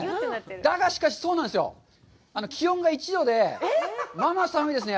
だがしかし、そうなんですよ、気温が１度で、まあまあ寒いですね。